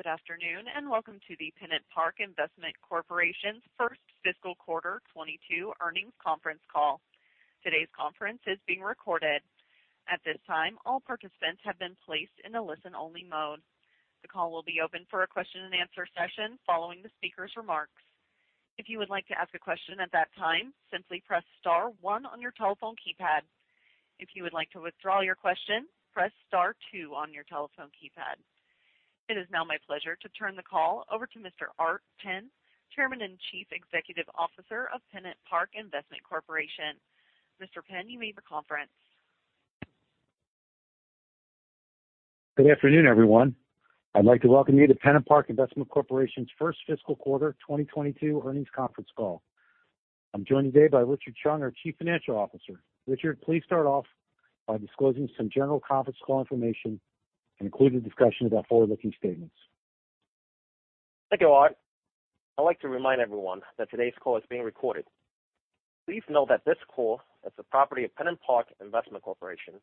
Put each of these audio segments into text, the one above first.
Good afternoon, and welcome to the PennantPark Investment Corporation's first fiscal quarter 2022 earnings conference call. Today's conference is being recorded. At this time, all participants have been placed in a listen-only mode. The call will be open for a question-and-answer session following the speaker's remarks. If you would like to ask a question at that time, simply press star one on your telephone keypad. If you would like to withdraw your question, press star two on your telephone keypad. It is now my pleasure to turn the call over to Mr. Art Penn, Chairman and Chief Executive Officer of PennantPark Investment Corporation. Mr. Penn, you may begin the conference. Good afternoon, everyone. I'd like to welcome you to PennantPark Investment Corporation's first fiscal quarter 2022 earnings conference call. I'm joined today by Richard Cheung, our Chief Financial Officer. Richard, please start off by disclosing some general conference call information and include a discussion about forward-looking statements. Thank you, Art. I'd like to remind everyone that today's call is being recorded. Please note that this call is the property of PennantPark Investment Corporation,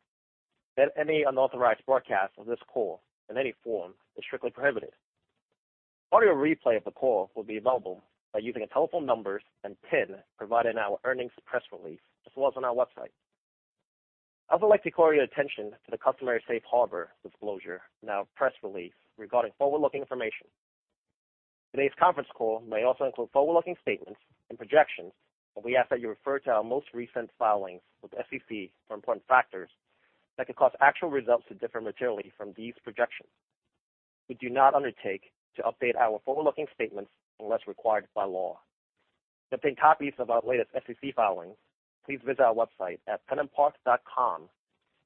that any unauthorized broadcast of this call in any form is strictly prohibited. Audio replay of the call will be available by using the telephone numbers and PIN provided in our earnings press release, as well as on our website. I would like to call your attention to the customary safe harbor disclosure in our press release regarding forward-looking information. Today's conference call may also include forward-looking statements and projections, but we ask that you refer to our most recent filings with the SEC for important factors that could cause actual results to differ materially from these projections. We do not undertake to update our forward-looking statements unless required by law. To obtain copies of our latest SEC filings, please visit our website at pennantpark.com,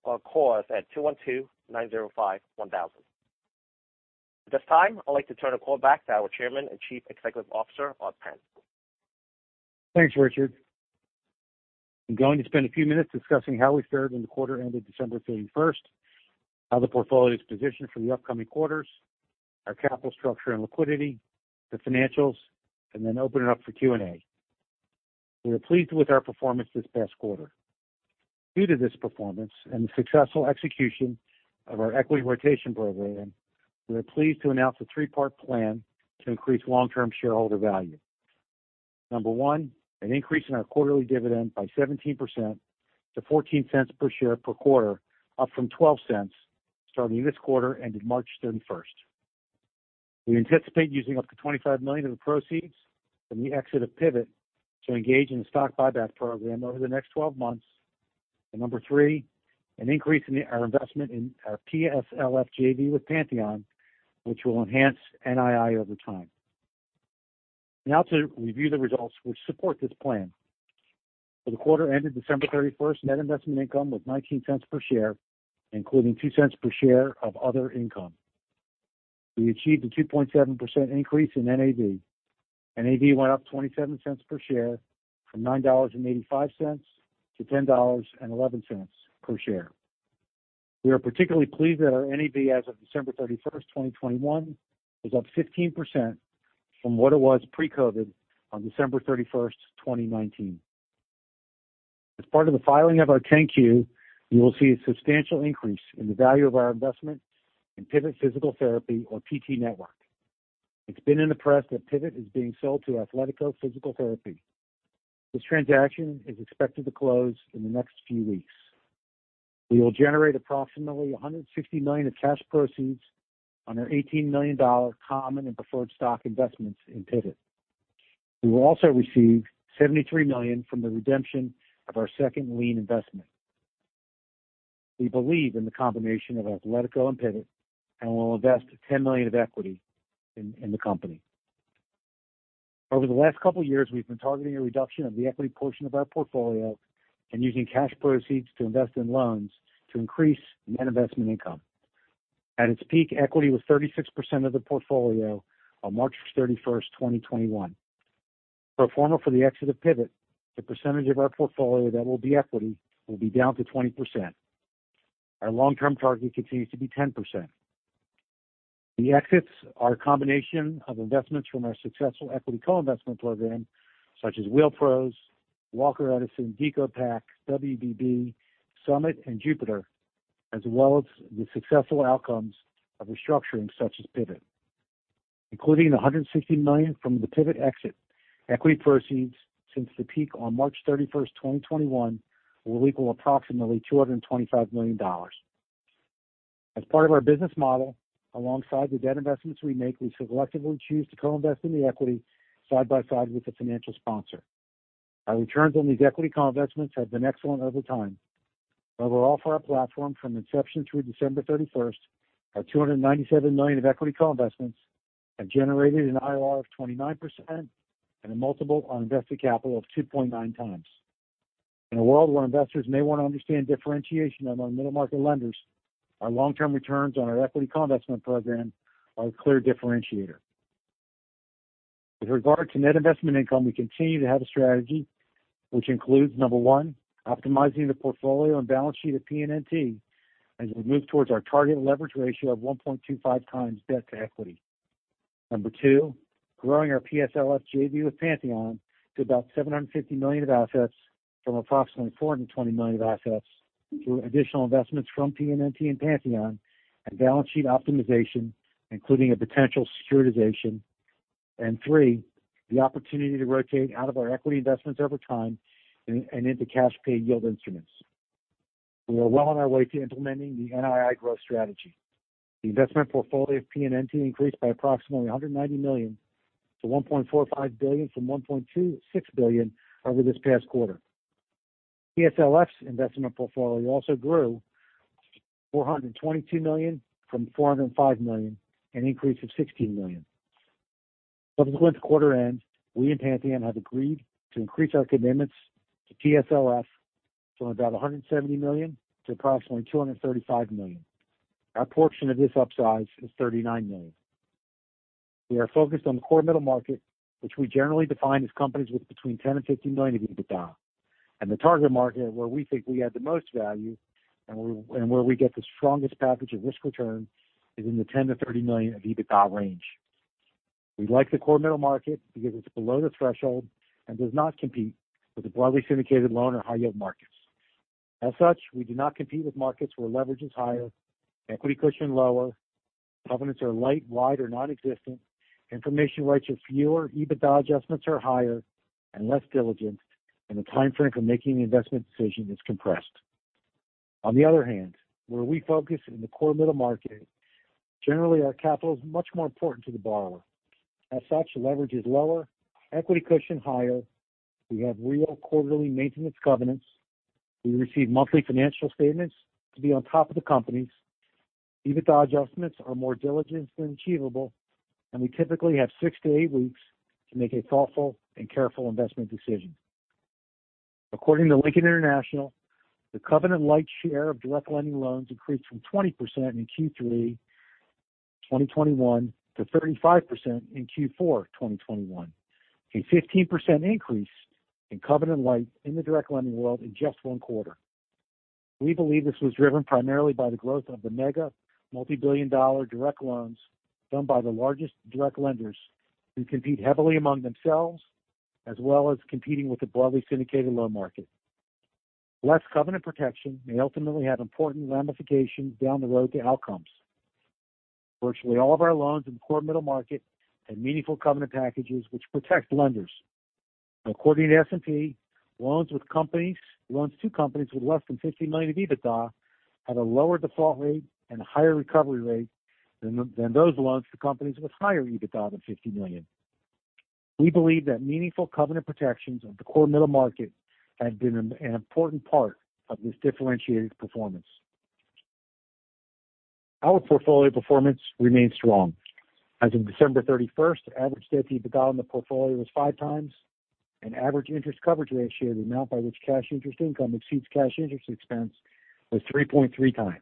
or call us at 212-905-1000. At this time, I'd like to turn the call back to our Chairman and Chief Executive Officer, Art Penn. Thanks, Richard. I'm going to spend a few minutes discussing how we fared in the quarter ended December 31st, how the portfolio is positioned for the upcoming quarters, our capital structure and liquidity, the financials, and then open it up for Q&A. We are pleased with our performance this past quarter. Due to this performance and the successful execution of our equity rotation program, we are pleased to announce a three-part plan to increase long-term shareholder value. Number one, an increase in our quarterly dividend by 17% to $0.14 per share per quarter, up from $0.12, starting this quarter ended March 31st. We anticipate using up to $25 million of the proceeds from the exit of Pivot to engage in a stock buyback program over the next 12 months. Number three, an increase in our investment in our PSLF JV with Pantheon, which will enhance NII over time. Now to review the results which support this plan. For the quarter ended December 31st, net investment income was $0.19 per share, including $0.02 per share of other income. We achieved a 2.7% increase in NAV. NAV went up $0.27 per share from $9.85 to $10.11 per share. We are particularly pleased that our NAV as of December 31st, 2021, is up 15% from what it was pre-COVID on December 31st, 2019. As part of the filing of our 10-Q, you will see a substantial increase in the value of our investment in Pivot Physical Therapy or PT Network. It's been in the press that Pivot is being sold to Athletico Physical Therapy. This transaction is expected to close in the next few weeks. We will generate approximately $160 million of cash proceeds on our $18 million common and preferred stock investments in Pivot. We will also receive $73 million from the redemption of our second lien investment. We believe in the combination of Athletico and Pivot and will invest $10 million of equity in the company. Over the last couple years, we've been targeting a reduction of the equity portion of our portfolio and using cash proceeds to invest in loans to increase net investment income. At its peak, equity was 36% of the portfolio on March 31st, 2021. Pro forma for the exit of Pivot, the percentage of our portfolio that will be equity will be down to 20%. Our long-term target continues to be 10%. The exits are a combination of investments from our successful equity co-investment program, such as Wheel Pros, Walker Edison, DecoPac, WDB, Summit, and Jupiter, as well as the successful outcomes of restructuring such as Pivot. Including the $160 million from the Pivot exit, equity proceeds since the peak on March 31, 2021, will equal approximately $225 million. As part of our business model, alongside the debt investments we make, we selectively choose to co-invest in the equity side by side with the financial sponsor. Our returns on these equity co-investments have been excellent over time. Overall for our platform from inception through December 31st, our $297 million of equity co-investments have generated an IRR of 29% and a multiple on invested capital of 2.9x. In a world where investors may want to understand differentiation among middle-market lenders, our long-term returns on our equity co-investment program are a clear differentiator. With regard to net investment income, we continue to have a strategy which includes, number one, optimizing the portfolio and balance sheet of PNNT as we move towards our target leverage ratio of 1.25x debt to equity. Number two, growing our PSLF JV with Pantheon to about $750 million of assets from approximately $420 million of assets through additional investments from PNNT and Pantheon and balance sheet optimization, including a potential securitization. Three, the opportunity to rotate out of our equity investments over time and into cash paid yield instruments. We are well on our way to implementing the NII growth strategy. The investment portfolio of PNNT increased by approximately $190 million to $1.45 billion from $1.26 billion over this past quarter. PSLF's investment portfolio also grew $422 million from $405 million, an increase of $16 million. Since the quarter end, we and Pantheon have agreed to increase our commitments to PSLF from about $170 million to approximately $235 million. Our portion of this upsize is $39 million. We are focused on the core middle market, which we generally define as companies with between $10 million-$15 million of EBITDA. The target market where we think we add the most value and where we get the strongest package of risk return is in the $10 million-$30 million of EBITDA range. We like the core middle market because it's below the threshold and does not compete with the broadly syndicated loan or high yield markets. As such, we do not compete with markets where leverage is higher, equity cushion lower, covenants are light, wide, or non-existent, information rights are fewer, EBITDA adjustments are higher and less diligent, and the timeframe for making the investment decision is compressed. On the other hand, where we focus in the core middle market, generally our capital is much more important to the borrower. As such, the leverage is lower, equity cushion higher. We have real quarterly maintenance covenants. We receive monthly financial statements to be on top of the companies. EBITDA adjustments are more diligent and achievable, and we typically have six to eight weeks to make a thoughtful and careful investment decision. According to Lincoln International, the covenant-light share of direct lending loans increased from 20% in Q3 2021 to 35% in Q4 2021. A 15% increase in covenant light in the direct lending world in just one quarter. We believe this was driven primarily by the growth of the mega multi-billion dollar direct loans done by the largest direct lenders who compete heavily among themselves, as well as competing with the broadly syndicated loan market. Less covenant protection may ultimately have important ramifications down the road to outcomes. Virtually all of our loans in the core middle market had meaningful covenant packages which protect lenders. According to S&P, loans to companies with less than $50 million of EBITDA had a lower default rate and a higher recovery rate than those loans to companies with higher EBITDA than $50 million. We believe that meaningful covenant protections of the core middle market have been an important part of this differentiated performance. Our portfolio performance remains strong. As of December 31st, average debt-to-EBITDA in the portfolio was 5x, and average interest coverage ratio, the amount by which cash interest income exceeds cash interest expense, was 3.3x.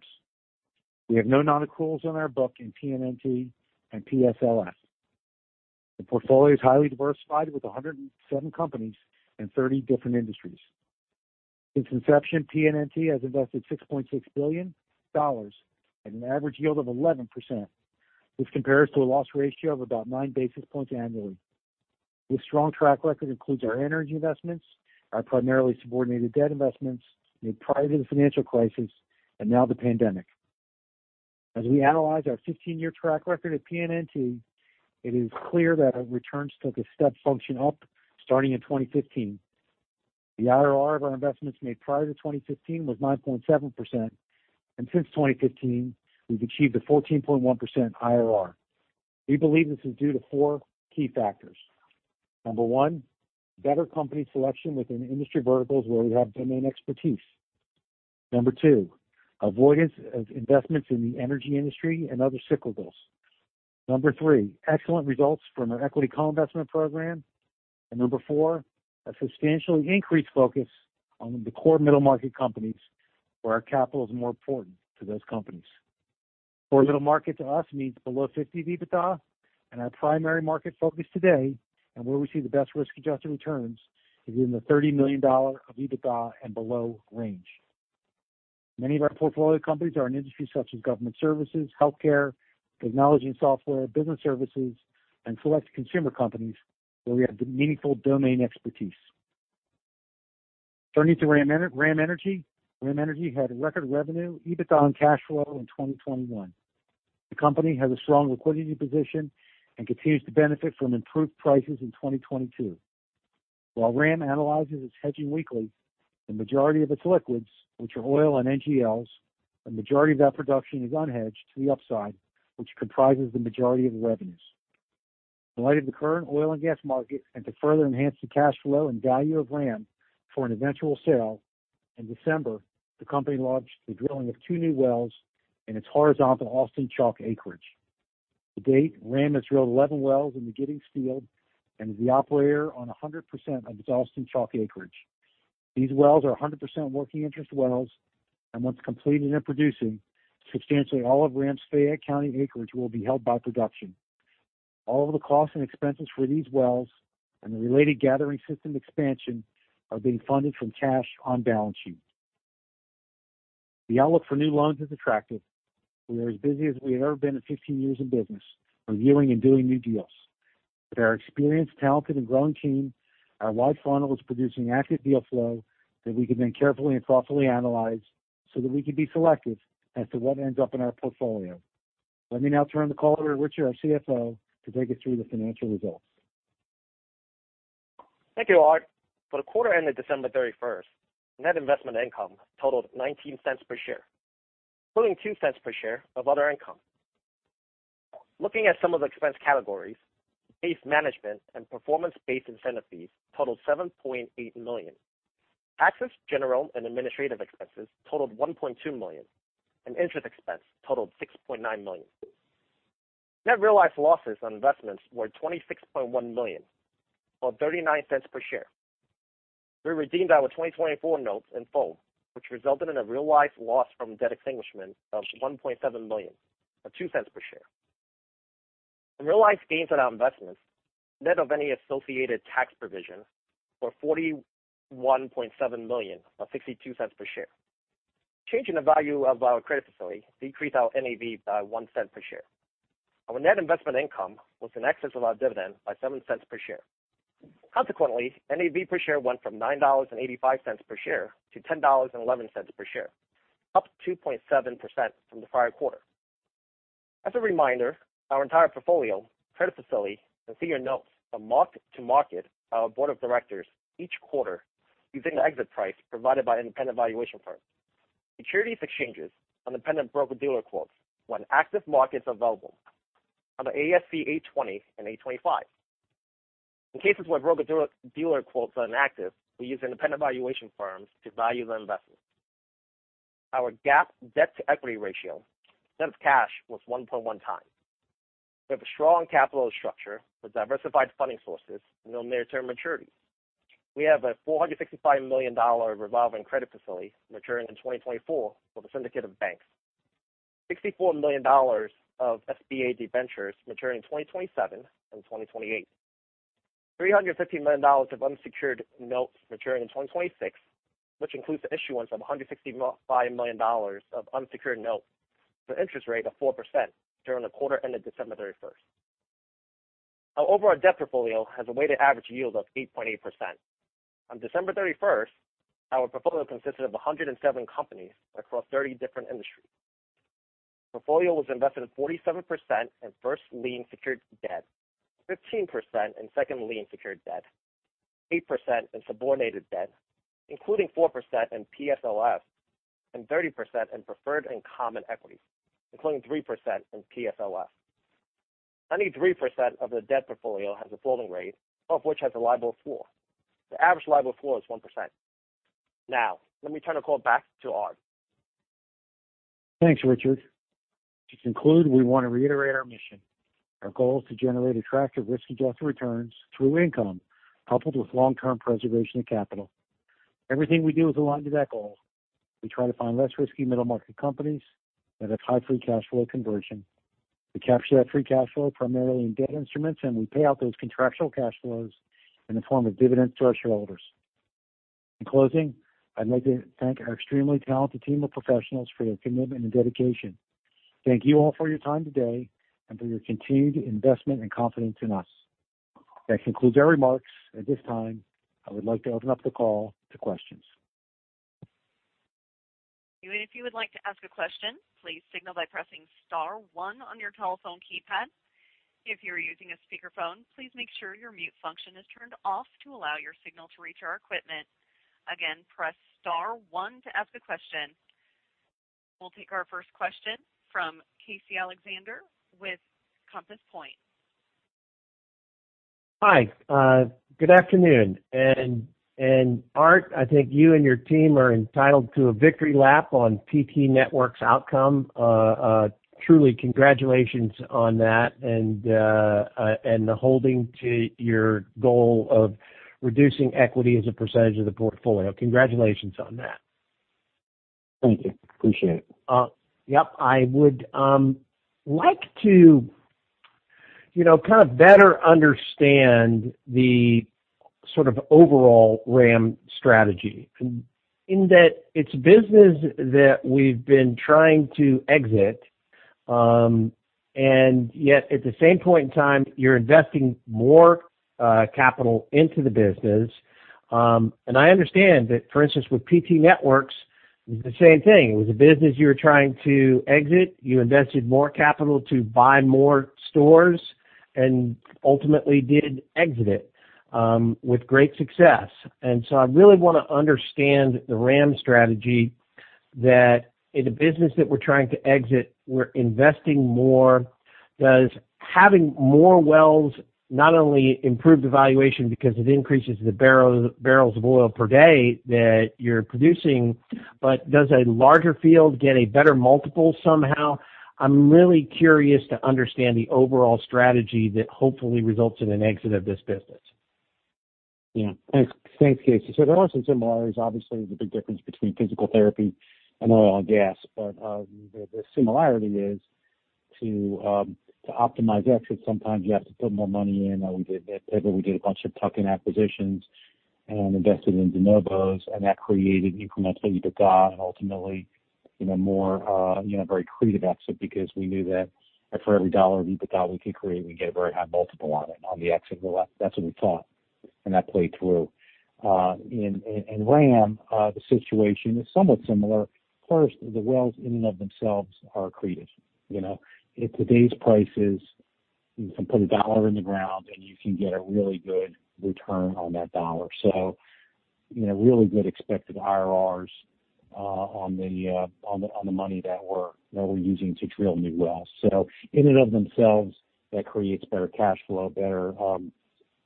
We have no non-accruals on our book in PNNT and PSLF. The portfolio is highly diversified with 107 companies in 30 different industries. Since inception, PNNT has invested $6.6 billion at an average yield of 11%, which compares to a loss ratio of about 9 basis points annually. This strong track record includes our energy investments, our primarily subordinated debt investments made prior to the financial crisis and now the pandemic. As we analyze our 15-year track record at PNNT, it is clear that our returns took a step function up starting in 2015. The IRR of our investments made prior to 2015 was 9.7%, and since 2015, we've achieved a 14.1% IRR. We believe this is due to four key factors. Number one, better company selection within industry verticals where we have domain expertise. Number two, avoidance of investments in the energy industry and other cyclicals. Number three, excellent results from our equity co-investment program. Number four, a substantially increased focus on the core middle market companies where our capital is more important to those companies. Core middle market to us means below $50 million of EBITDA, and our primary market focus today, and where we see the best risk-adjusted returns, is in the $30 million of EBITDA and below range. Many of our portfolio companies are in industries such as government services, healthcare, technology and software, business services, and select consumer companies where we have the meaningful domain expertise. Turning to RAM Energy. RAM Energy had a record revenue, EBITDA, and cash flow in 2021. The company has a strong liquidity position and continues to benefit from improved prices in 2022. While RAM analyzes its hedging weekly, the majority of its liquids, which are oil and NGLs, the majority of that production is unhedged to the upside, which comprises the majority of the revenues. In light of the current oil and gas market, and to further enhance the cash flow and value of RAM for an eventual sale, in December, the company launched the drilling of two new wells in its horizontal Austin Chalk acreage. To date, RAM has drilled 11 wells in the Giddings field and is the operator on 100% of its Austin Chalk acreage. These wells are 100% working interest wells, and once completed and producing, substantially all of RAM's Fayette County acreage will be held by production. All of the costs and expenses for these wells and the related gathering system expansion are being funded from cash on balance sheet. The outlook for new loans is attractive. We are as busy as we've ever been in 15 years in business, reviewing and doing new deals. With our experienced, talented, and growing team, our wide funnel is producing active deal flow that we can then carefully and thoughtfully analyze so that we can be selective as to what ends up in our portfolio. Let me now turn the call over to Richard, our CFO, to take us through the financial results. Thank you, Art. For the quarter ended December 31st, net investment income totaled $0.19 per share, including $0.02 per share of other income. Looking at some of the expense categories, base management and performance-based incentive fees totaled $7.8 million. Taxes, general, and administrative expenses totaled $1.2 million, and interest expense totaled $6.9 million. Net realized losses on investments were $26.1 million, or $0.39 per share. We redeemed our 2024 notes in full, which resulted in a realized loss from debt extinguishment of $1.7 million, or $0.02 per share. Realized gains on our investments, net of any associated tax provision, were $41.7 million, or $0.62 per share. Change in the value of our credit facility decreased our NAV by $0.01 per share. Our net investment income was in excess of our dividend by $0.07 per share. Consequently, NAV per share went from $9.85 per share to $10.11 per share, up 2.7% from the prior quarter. As a reminder, our entire portfolio, credit facility, and senior notes are marked to market by our board of directors each quarter using the exit price provided by an independent valuation firm and securities exchanges and independent broker-dealer quotes when active markets are available under ASC 820 and ASC 825. In cases where broker-dealer quotes are inactive, we use independent valuation firms to value the investments. Our GAAP debt-to-equity ratio, net of cash, was 1.1x. We have a strong capital structure with diversified funding sources and no near-term maturities. We have a $465 million revolving credit facility maturing in 2024 with a syndicate of banks. $64 million of SBA debentures maturing in 2027 and 2028. $315 million of unsecured notes maturing in 2026, which includes the issuance of $165 million of unsecured notes with an interest rate of 4% during the quarter ended December 31st. Our overall debt portfolio has a weighted average yield of 8.8%. On December 31st, our portfolio consisted of 107 companies across 30 different industries. Portfolio was invested at 47% in first lien secured debt, 15% in second lien secured debt, 8% in subordinated debt, including 4% in PSLF, and 30% in preferred and common equity, including 3% in PSLF. 23% of the debt portfolio has a floating rate, of which has a LIBOR floor of 4%. The average LIBOR floor is 1%. Now, let me turn the call back to Art. Thanks, Richard. To conclude, we want to reiterate our mission. Our goal is to generate attractive risk-adjusted returns through income, coupled with long-term preservation of capital. Everything we do is aligned to that goal. We try to find less risky middle-market companies that have high free cash flow conversion. We capture that free cash flow primarily in debt instruments, and we pay out those contractual cash flows in the form of dividends to our shareholders. In closing, I'd like to thank our extremely talented team of professionals for their commitment and dedication. Thank you all for your time today and for your continued investment and confidence in us. That concludes our remarks. At this time, I would like to open up the call to questions. If you would like to ask a question, please signal by pressing star one on your telephone keypad. If you're using a speakerphone, please make sure your mute function is turned off to allow your signal to reach our equipment. Again, press star one to ask a question. We'll take our first question from Casey Alexander with Compass Point. Hi. Good afternoon. Art, I think you and your team are entitled to a victory lap on PT Network's outcome. Truly congratulations on that and the holding to your goal of reducing equity as a percentage of the portfolio. Congratulations on that. Thank you. Appreciate it. Yep. I would like to, you know, kind of better understand the sort of overall RAM strategy in that it's business that we've been trying to exit, and yet at the same point in time, you're investing more capital into the business. I understand that, for instance, with PT Network, the same thing. It was a business you were trying to exit. You invested more capital to buy more stores and ultimately did exit it with great success. I really wanna understand the RAM strategy that in the business that we're trying to exit, we're investing more. Does having more wells not only improve the valuation because it increases the barrels of oil per day that you're producing, but does a larger field get a better multiple somehow? I'm really curious to understand the overall strategy that hopefully results in an exit of this business. Yeah. Thanks, Casey. There are some similarities. Obviously, there's a big difference between physical therapy and oil and gas. The similarity is to optimize exit, sometimes you have to put more money in. We did that. We did a bunch of tuck-in acquisitions and invested in de novos, and that created incremental EBITDA and ultimately, you know, more, very accretive exit because we knew that for every dollar of EBITDA we could create, we get a very high multiple on it, on the exit. That's what we thought, and that played through. In RAM, the situation is somewhat similar. First, the wells in and of themselves are accretive. You know, at today's prices, you can put a dollar in the ground, and you can get a really good return on that dollar. You know, really good expected IRRs on the money that we're using to drill new wells. In and of themselves, that creates better cash flow,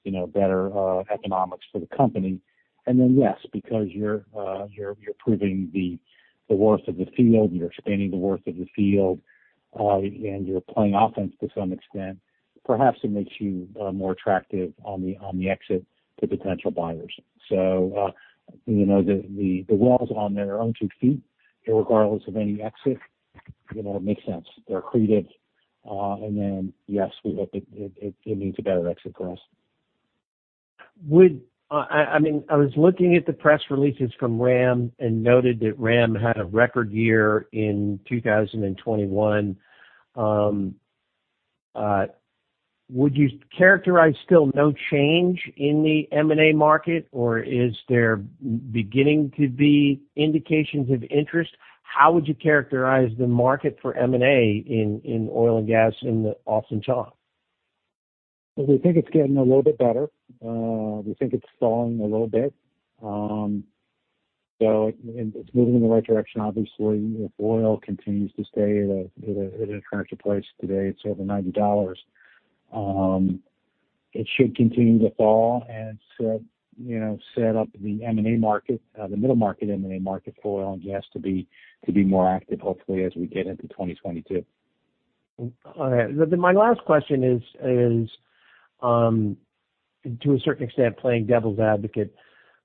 you know, better economics for the company. Yes, because you're proving the worth of the field, you're expanding the worth of the field, and you're playing offense to some extent, perhaps it makes you more attractive on the exit to potential buyers. You know, the wells on their own two feet irregardless of any exit, you know, it makes sense. They're accretive. Yes, we hope it leads a better exit for us. I mean, I was looking at the press releases from RAM and noted that RAM had a record year in 2021. Would you characterize still no change in the M&A market, or is there beginning to be indications of interest? How would you characterize the market for M&A in oil and gas in the Austin Chalk? We think it's getting a little bit better. We think it's stalling a little bit. It's moving in the right direction. Obviously, if oil continues to stay at a current price, today it's over $90, it should continue to fall and, you know, set up the M&A market, the middle market M&A market for oil and gas to be more active, hopefully as we get into 2022. All right. My last question is, to a certain extent, playing devil's advocate.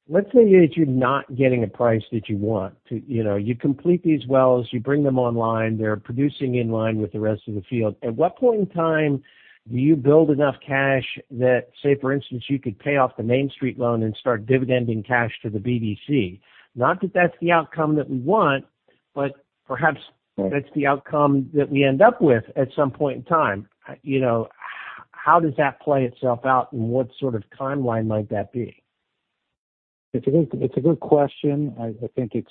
Let's say that you're not getting a price that you want to, you know, you complete these wells, you bring them online, they're producing in line with the rest of the field. At what point in time do you build enough cash that, say, for instance, you could pay off the Main Street loan and start dividending cash to the BDC? Not that that's the outcome that we want, but perhaps that's the outcome that we end up with at some point in time. You know, how does that play itself out, and what sort of timeline might that be? It's a good question. I think it's,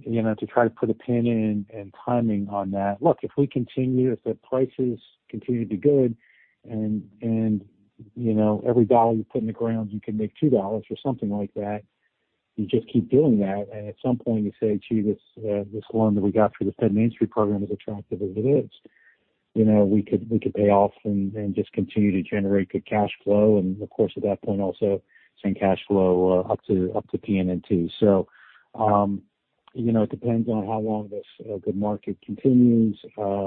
you know, to try to put a pin in and timing on that. Look, if the prices continue to be good and, you know, every dollar you put in the ground, you can make $2 or something like that. You just keep doing that, and at some point you say, gee, this loan that we got through the Fed Main Street Lending Program is attractive as it is. You know, we could pay off and just continue to generate good cash flow. Of course, at that point, also send cash flow up to PNNT. You know, it depends on how long this good market continues, and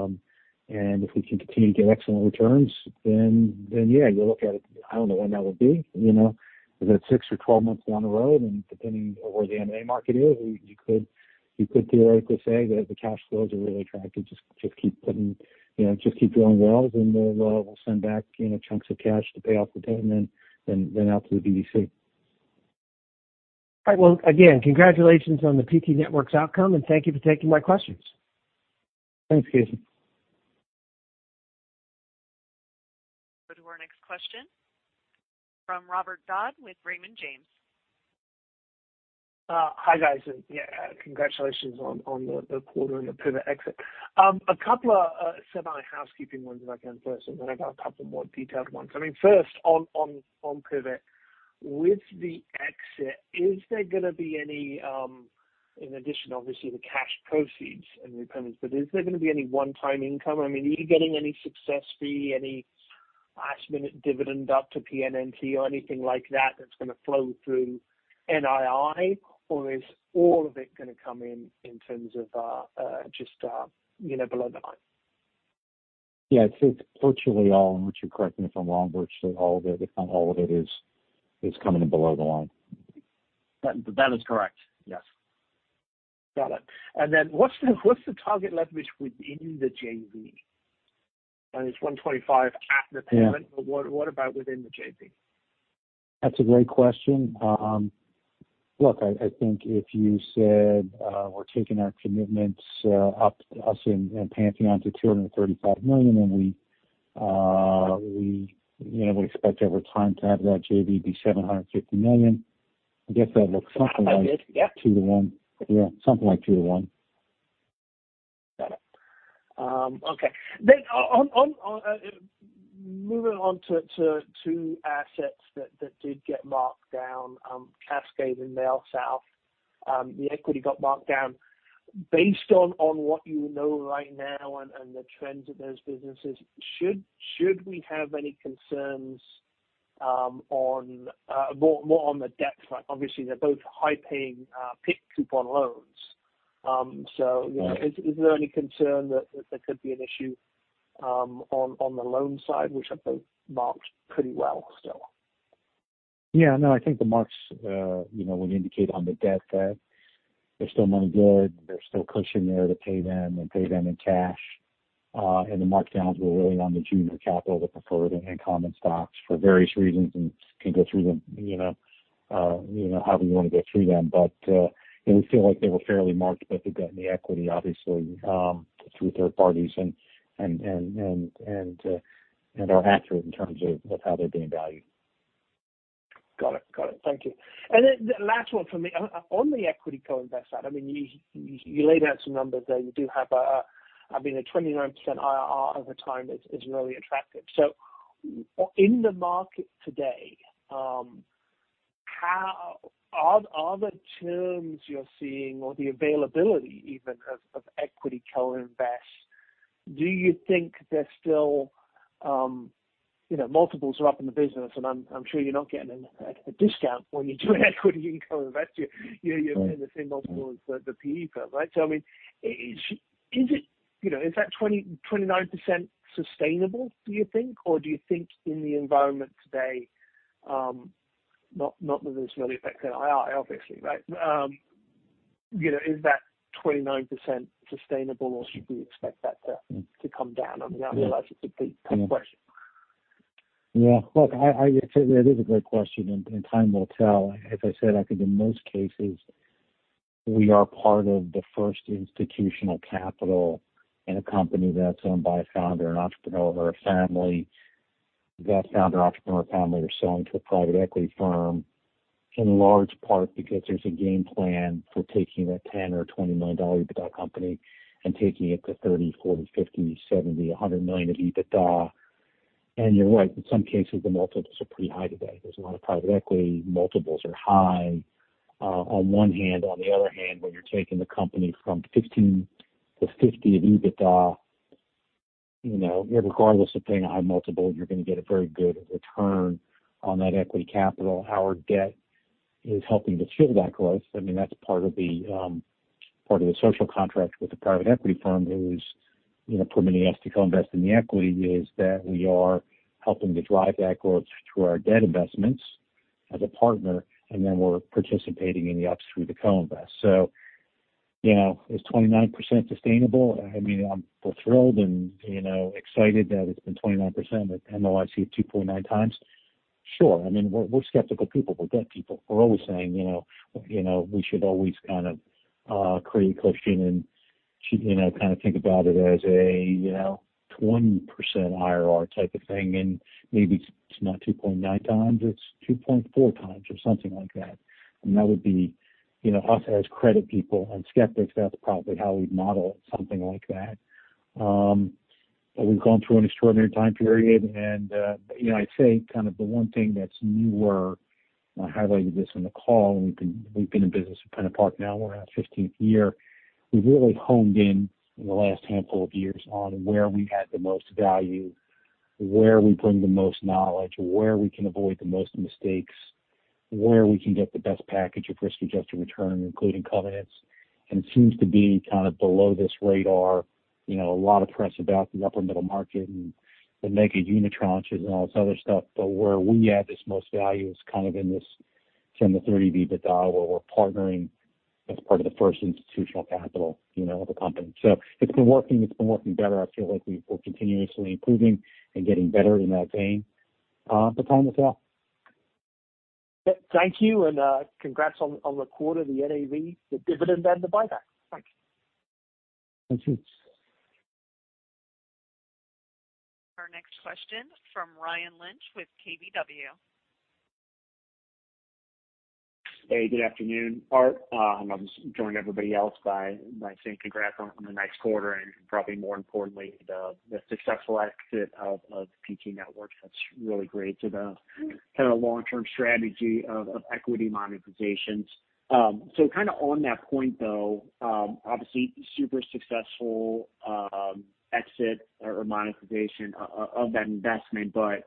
if we can continue to get excellent returns, then yeah, you look at it. I don't know when that will be. You know, is that six or 12 months down the road? Depending on where the M&A market is, you could theoretically say that the cash flows are really attractive. Just keep drilling wells, and we'll send back, you know, chunks of cash to pay off the payment, then out to the BDC. All right. Well, again, congratulations on the PT Network's outcome, and thank you for taking my questions. Thanks, Casey. Go to our next question from Robert Dodd with Raymond James. Hi, guys. Yeah, congratulations on the quarter and the Pivot exit. A couple of semi-housekeeping ones if I can first, and then I got a couple more detailed ones. I mean, first on Pivot. With the exit, is there gonna be any, in addition, obviously, the cash proceeds and repayments, but is there gonna be any one-time income? I mean, are you getting any success fee, any last minute dividend up to PNNT or anything like that that's gonna flow through NII? Or is all of it gonna come in in terms of just, you know, below the line? Yeah. It's virtually all, and Richard, correct me if I'm wrong, virtually all of it is coming in below the line. That is correct. Yes. Got it. What's the target leverage within the JV? I know it's 1.25 at the payment. Yeah. What about within the JV? That's a great question. Look, I think if you said we're taking our commitments up us and Pantheon to $235 million, and we, you know, we expect over time to have that JV be $750 million. I guess that looks something like. I did. Yeah. Two to one. Yeah, something like two to one. Got it. Okay. Moving on to assets that did get marked down, Cascade and MailSouth, the equity got marked down. Based on what you know right now and the trends of those businesses, should we have any concerns on more on the debt side? Obviously, they're both high-paying PIK coupon loans. Yeah. You know, is there any concern that there could be an issue on the loan side, which I think marked pretty well still? Yeah, no, I think the marks, you know, when you indicate on the debt that there's still money good, there's still cushion there to pay them and pay them in cash. The markdowns were really on the junior capital, the preferred and common stocks for various reasons and can go through them, you know, however you want to go through them. You know, we feel like they were fairly marked, both the debt and the equity, obviously, through third parties and are accurate in terms of of how they're being valued. Got it. Thank you. Then the last one for me. On the equity co-invest side, I mean, you laid out some numbers there. You do have, I mean, a 29% IRR over time is really attractive. In the market today, how are the terms you're seeing or the availability even of equity co-invest, do you think they're still, you know, multiples are up in the business, and I'm sure you're not getting a discount when you do an equity co-invest. Right. You're paying the same multiple as the PE firm, right? I mean, is it you know, is that 29% sustainable, do you think? Or do you think in the environment today, not that it's really affecting IRR obviously, right? You know, is that 29% sustainable, or should we expect that to come down? I mean, I realize it's a big question. Yeah. Look, it is a great question. Time will tell. As I said, I think in most cases, we are part of the first institutional capital in a company that's owned by a founder, an entrepreneur or a family. That founder, entrepreneur or family are selling to a private equity firm in large part because there's a game plan for taking a $10 million or $20 million EBITDA company and taking it to $30 million, $40 million, $50 million, $70 million, $100 million of EBITDA. You're right, in some cases, the multiples are pretty high today. There's a lot of private equity. Multiples are high on one hand. On the other hand, when you're taking the company from $15 million to $50 million of EBITDA, you know, irregardless of paying a high multiple, you're gonna get a very good return on that equity capital. Our debt is helping to fuel that growth. I mean, that's part of the, part of the social contract with the private equity firm who's, you know, permitting us to co-invest in the equity, is that we are helping to drive that growth through our debt investments as a partner, and then we're participating in the ups through the co-invest. You know, is 29% sustainable? I mean, I'm thrilled and, you know, excited that it's been 29%, but MOIC at 2.9x. Sure. I mean, we're skeptical people. We're debt people. We're always saying, you know, we should always kind of create cushion and you know, kind of think about it as a, you know, 20% IRR type of thing. Maybe it's not 2.9x, it's 2.4x or something like that. That would be, you know, us as credit people and skeptics, that's probably how we'd model something like that. But we've gone through an extraordinary time period and, you know, I'd say kind of the one thing that's newer, and I highlighted this on the call, and we've been in business at PennantPark now we're in our 15th year. We've really honed in the last handful of years on where we add the most value, where we bring the most knowledge, where we can avoid the most mistakes, where we can get the best package of risk-adjusted return, including covenants. It seems to be kind of below this radar. You know, a lot of press about the upper middle market and the mega unitranches and all this other stuff. Where we add this most value is kind of in this $10 million-$30 million EBITDA, where we're partnering as part of the first institutional capital, you know, of the company. It's been working better. I feel like we're continuously improving and getting better in that vein, but time will tell. Thank you, and congrats on the quarter, the NAV, the dividend, and the buyback. Thank you. Thank you. Our next question from Ryan Lynch with KBW. Hey, good afternoon, Art. I'll just join everybody else by saying congrats on a nice quarter and probably more importantly, the successful exit of PT Network. That's really great to the kind of long-term strategy of equity monetizations. Kind of on that point, though, obviously super successful exit or monetization of that investment, but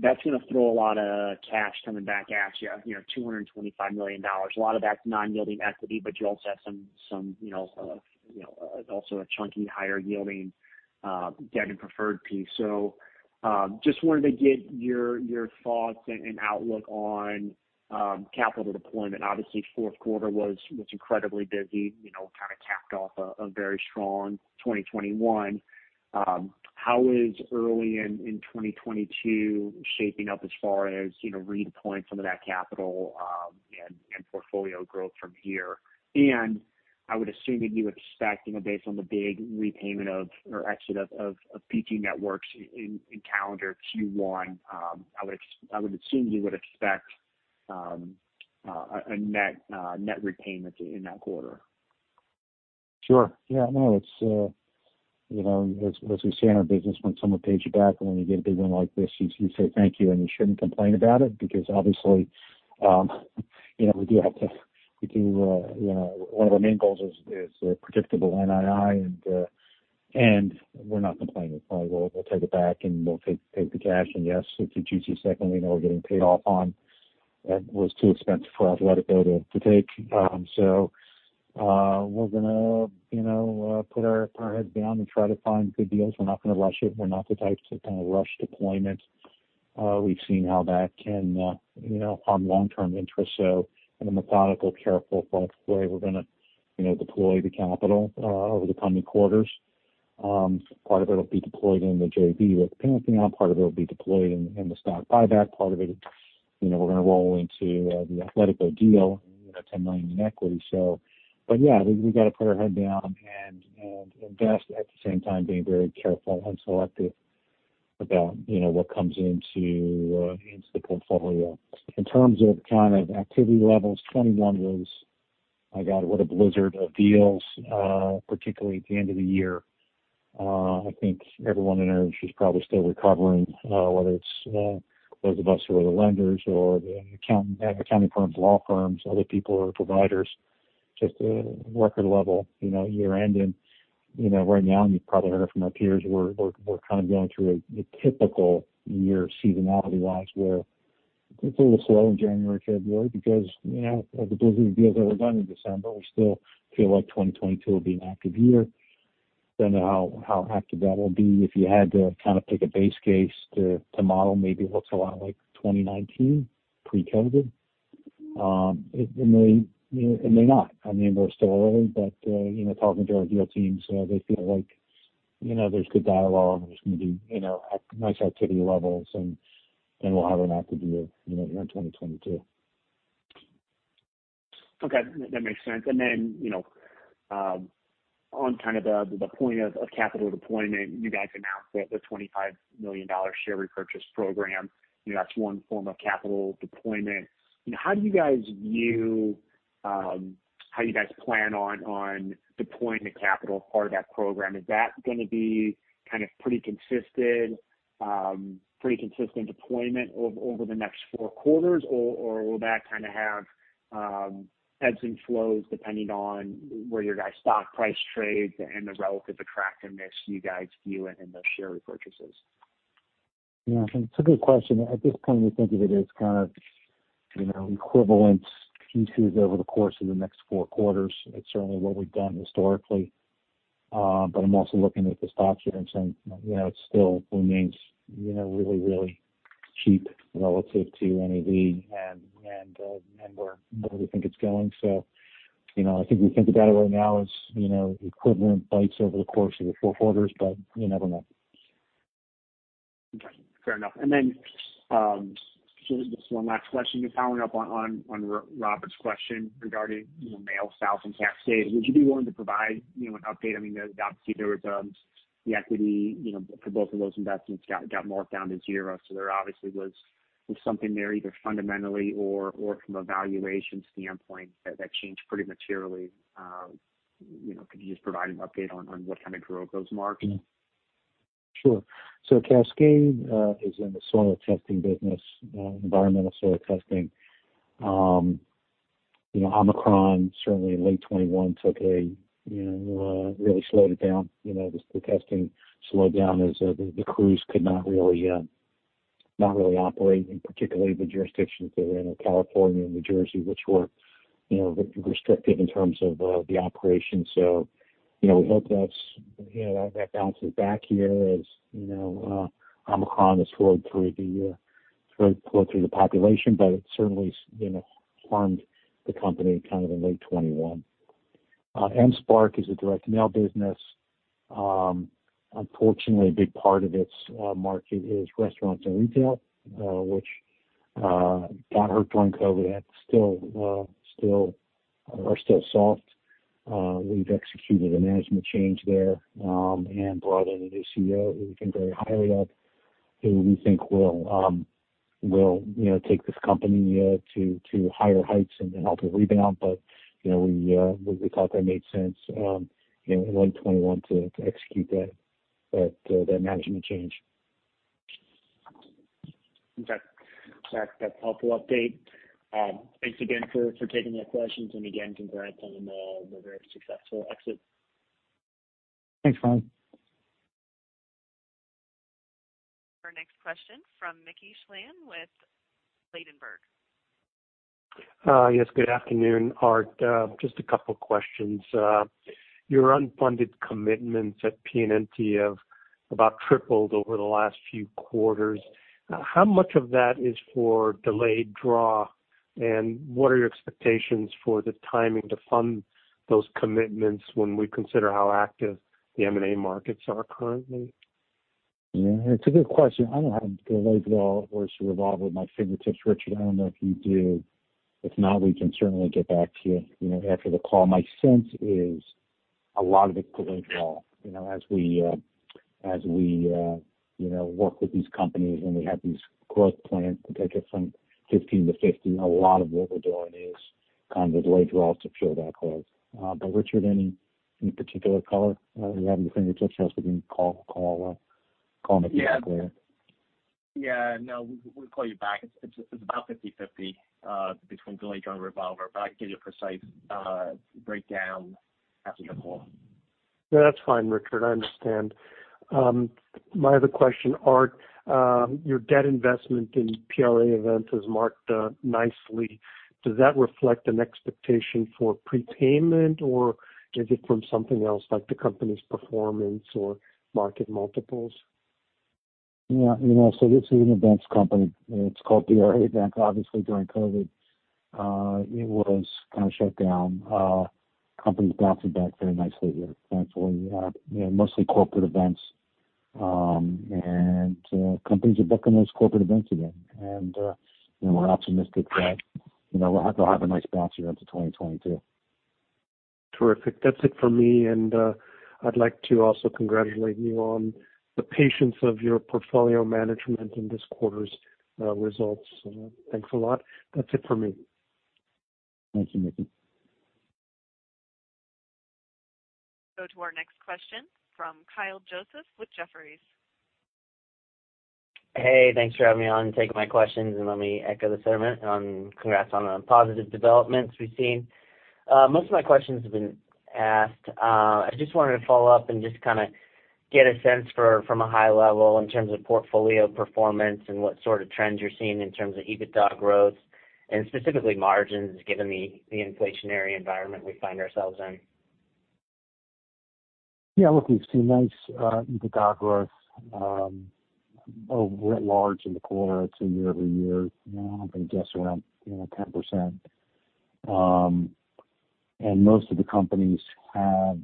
that's gonna throw a lot of cash coming back at you know, $225 million. A lot of that's non-yielding equity, but you also have some, you know, also a chunky higher yielding debt and preferred piece. Just wanted to get your thoughts and outlook on capital deployment. Obviously, fourth quarter was incredibly busy, you know, kind of capped off a very strong 2021. How is early in 2022 shaping up as far as, you know, redeploying some of that capital, and portfolio growth from here? I would assume that you expect, you know, based on the big repayment or exit of PT Networks in calendar Q1, a net repayment in that quarter. Sure. Yeah. No, it's you know, as we say in our business, when someone pays you back and when you get a big one like this, you say thank you, and you shouldn't complain about it because obviously, you know, we have to. We do you know one of our main goals is predictable NII and we're not complaining. We'll take it back, and we'll take the cash. Yes, it's a juicy second lien we're getting paid off on that was too expensive for us, let it go to take. So, we're gonna you know put our heads down and try to find good deals. We're not gonna rush it. We're not the types to kind of rush deployment. We've seen how that can you know harm long-term interest. In a methodical, careful, thoughtful way, we're gonna, you know, deploy the capital over the coming quarters. Part of it'll be deployed in the JV with Pantheon. Part of it will be deployed in the stock buyback. Part of it, you know, we're gonna roll into the Athletico deal, you know, $10 million in equity. But yeah, we gotta put our head down and invest, at the same time, being very careful and selective about, you know, what comes into the portfolio. In terms of kind of activity levels, 2021 was, my God, what a blizzard of deals, particularly at the end of the year. I think everyone in energy is probably still recovering, whether it's those of us who are the lenders or the accounting firms, law firms, other people who are providers, just a record level, you know, year end. You know, right now, and you've probably heard it from our peers, we're kind of going through a typical year seasonality-wise, where it's a little slow in January, February, because, you know, all the blizzard deals that were done in December. We still feel like 2022 will be an active year. Don't know how active that'll be. If you had to kind of take a base case to model, maybe it looks a lot like 2019, pre-COVID. It may, you know, it may not. I mean, we're still early, but you know, talking to our deal teams, they feel like, you know, there's good dialogue, there's gonna be, you know, nice activity levels, and we'll have an active year, you know, in 2022. Okay, that makes sense. Then, you know, on kind of the point of capital deployment, you guys announced that the $25 million share repurchase program, you know, that's one form of capital deployment. You know, how do you guys view how you guys plan on deploying the capital as part of that program? Is that gonna be kind of pretty consistent deployment over the next four quarters? Or will that kind of have ebbs and flows depending on where you guys' stock price trades and the relative attractiveness you guys view in those share repurchases? Yeah, it's a good question. At this point, we think of it as kind of, you know, equivalent pieces over the course of the next four quarters. It's certainly what we've done historically. I'm also looking at the stock share and saying, you know, it still remains, you know, really, really cheap relative to NAV and where we think it's going. I think we think of that right now as, you know, equivalent bites over the course of the four quarters, but you never know. Okay, fair enough. Just one last question, just following up on Robert's question regarding, you know, MailSouth, and Cascade. Would you be willing to provide, you know, an update? I mean, obviously, there was the equity, you know, for both of those investments got marked down to zero. So there obviously was something there, either fundamentally or from a valuation standpoint that changed pretty materially. You know, could you just provide an update on what kind of drove those marks? Sure. Cascade is in the soil testing business, environmental soil testing. You know, Omicron certainly in late 2021 took and really slowed it down. You know, the testing slowed down as the crews could not really operate, in particular the jurisdictions that were in California and New Jersey, which were, you know, restrictive in terms of the operation. You know, we hope that's, you know, that bounces back here as, you know, Omicron rolls through the population. It certainly, you know, harmed the company kind of in late 2021. Mspark is a direct mail business. Unfortunately, a big part of its market is restaurants and retail, which got hurt during COVID and still are soft. We've executed a management change there and brought in a new CEO who we think very highly of, who we think will, you know, take this company to higher heights and help it rebound. You know, we thought that made sense in late 2021 to execute that management change. Okay. That's a helpful update. Thanks again for taking the questions. Again, congrats on the very successful exit. Thanks, Ryan. Our next question from Mickey Schleien with Ladenburg. Yes, good afternoon, Art. Just a couple questions. Your unfunded commitments at PNNT have about tripled over the last few quarters. How much of that is for delayed draw? What are your expectations for the timing to fund those commitments when we consider how active the M&A markets are currently? Yeah, it's a good question. I don't have the delayed draw versus revolver at my fingertips. Richard, I don't know if you do. If not, we can certainly get back to you know, after the call. My sense is a lot of it's delayed draw. You know, as we work with these companies and we have these growth plans to take us from $15 million to $50 million, a lot of what we're doing is kind of delayed draws to fuel that growth. But Richard, any particular color you have at your fingertips, else we can call him- Yeah. To be clear. Yeah, no, we'll call you back. It's about 50/50 between delayed draw and revolver, but I can give you a precise breakdown after the call. That's fine, Richard. I understand. My other question, Art, your debt investment in PRA Events has marked nicely. Does that reflect an expectation for prepayment, or is it from something else like the company's performance or market multiples? Yeah. You know, this is an events company. It's called PRA Events. Obviously, during COVID, it was kind of shut down. Company's bouncing back very nicely here, thankfully. You know, mostly corporate events, and companies are booking those corporate events again. You know, we're optimistic that, you know, we'll have, they'll have a nice bounce here into 2022. Terrific. That's it for me, and I'd like to also congratulate you on the patience of your portfolio management in this quarter's results. Thanks a lot. That's it for me. Thank you, Mickey. Go to our next question from Kyle Joseph with Jefferies. Hey, thanks for having me on and taking my questions, and let me echo the sentiment on congrats on the positive developments we've seen. Most of my questions have been asked. I just wanted to follow up and just kinda get a sense for from a high level in terms of portfolio performance and what sort of trends you're seeing in terms of EBITDA growth and specifically margins, given the inflationary environment we find ourselves in. Yeah. Look, we've seen nice EBITDA growth overall in the quarter. It's year over year. You know, I'm gonna guess around 10%. Most of the companies have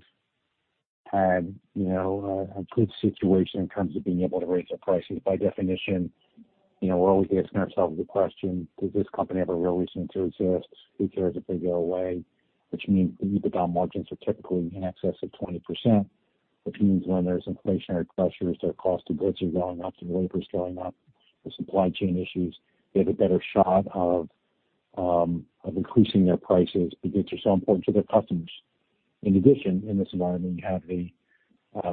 had, you know, a good situation in terms of being able to raise their prices. By definition, you know, we're always asking ourselves the question, does this company have a real reason to exist? Who cares if they go away? Which means the EBITDA margins are typically in excess of 20%, which means when there's inflationary pressures, their cost of goods are going up, their labor's going up, the supply chain issues, they have a better shot of increasing their prices because they're so important to their customers. In addition, in this environment, you have the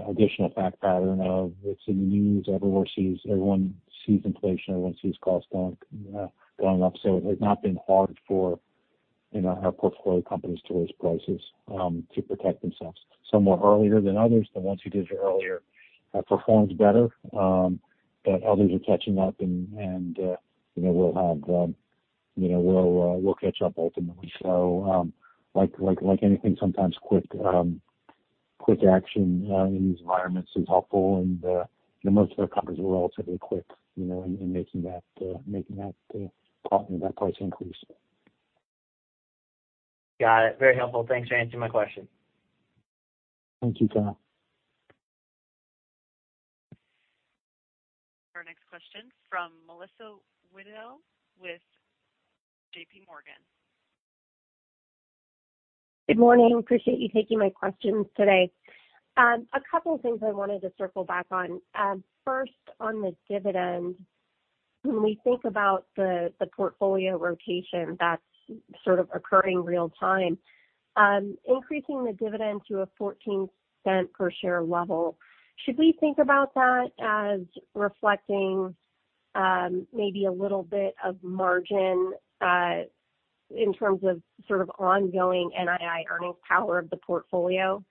additional fact pattern of it's in the news, everyone sees, everyone sees inflation, everyone sees costs going up. It has not been hard for, you know, our portfolio companies to raise prices to protect themselves. Some more earlier than others. The ones who did it earlier have performed better, but others are catching up and, you know, we'll catch up ultimately. Like anything, sometimes quick action in these environments is helpful and, you know, most of our companies were relatively quick, you know, in making that part of that price increase. Got it. Very helpful. Thanks for answering my question. Thank you, Kyle. Our next question from Melissa Wedel with JPMorgan. Good morning. I appreciate you taking my questions today. A couple things I wanted to circle back on. First, on the dividend, when we think about the portfolio rotation that's sort of occurring real time, increasing the dividend to a $0.14 per share level, should we think about that as reflecting maybe a little bit of margin in terms of sort of ongoing NII earnings power of the portfolio?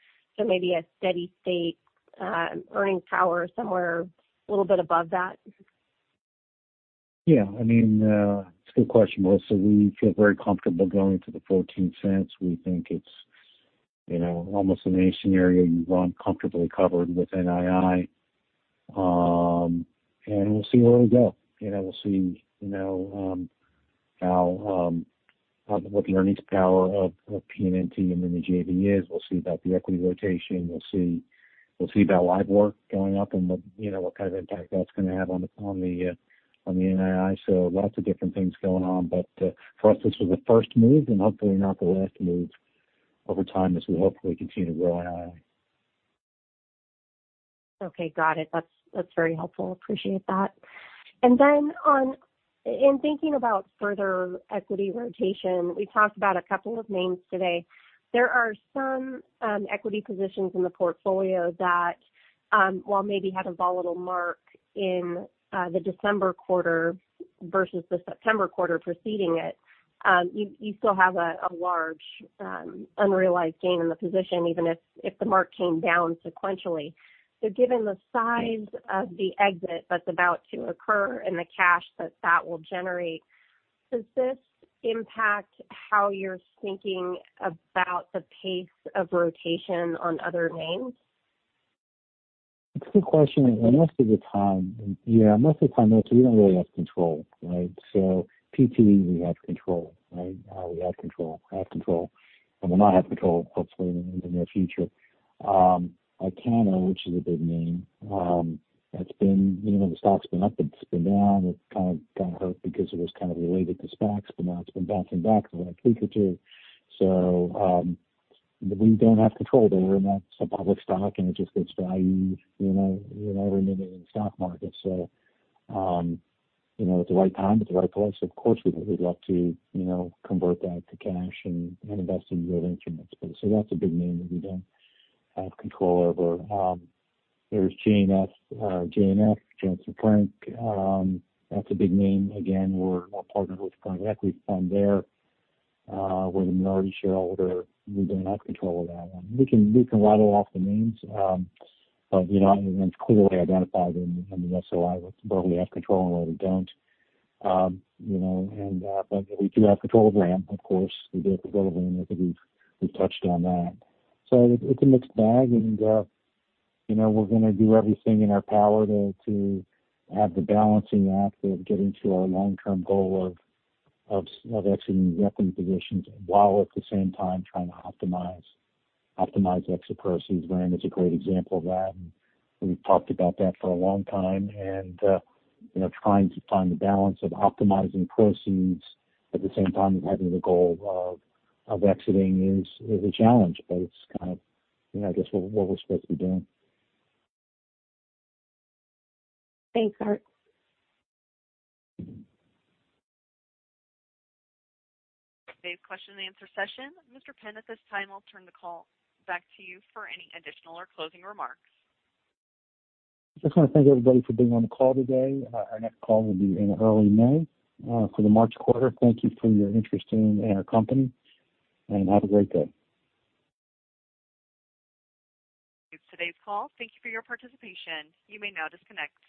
Maybe a steady state earnings power somewhere a little bit above that. Yeah. I mean, it's a good question, Melissa. We feel very comfortable going to the $0.14. We think it's, you know, almost a no-brainer. We run comfortably covered with NII. We'll see where we go. You know, we'll see what the earnings power of PNNT and then the JV is. We'll see about the equity rotation. We'll see about leverage going up and what, you know, what kind of impact that's gonna have on the NII. Lots of different things going on. For us, this was the first move and hopefully not the last move over time as we hopefully continue to grow NII. Okay. Got it. That's very helpful. Appreciate that. Then on, in thinking about further equity rotation, we talked about a couple of names today. There are some equity positions in the portfolio that, while maybe had a volatile mark in the December quarter versus the September quarter preceding it, you still have a large unrealized gain in the position even if the mark came down sequentially. Given the size of the exit that's about to occur and the cash that that will generate, does this impact how you're thinking about the pace of rotation on other names? It's a good question. Most of the time, we don't really have control, right? PT, we have control, right? We have control. I have control. Will not have control, hopefully, in the near future. Ikano, which is a big name, that's been, you know, the stock's been up, it's been down. It kind of got hurt because it was kind of related to SPACs, but now it's been bouncing back the last week or two. We don't have control there. That's a public stock, and it just gets valued, you know, remaining in the stock market. You know, at the right time, at the right price, of course, we would, we'd love to, you know, convert that to cash and invest in real instruments. That's a big name that we don't have control over. There's JNF, Johnson Frank. That's a big name. Again, we're a partner with Frank Equity Fund there. We're the minority shareholder. We don't have control of that one. We can rattle off the names, you know, it's clearly identified in the SOI where we have control and where we don't. You know, we do have control of Land, of course. We do have control of Land. I believe we've touched on that. It's a mixed bag, you know, we're gonna do everything in our power to have the balancing act of getting to our long-term goal of exiting the equity positions while at the same time trying to optimize the exit proceeds. Land is a great example of that, and we've talked about that for a long time. You know, trying to find the balance of optimizing proceeds at the same time as having the goal of exiting is a challenge, but it's kind of, you know, I guess what we're supposed to be doing. Thanks, Art. today's question and answer session. Mr. Penn, at this time, I'll turn the call back to you for any additional or closing remarks. Just wanna thank everybody for being on the call today. Our next call will be in early May for the March quarter. Thank you for your interest in our company, and have a great day. Today's call. Thank you for your participation. You may now disconnect.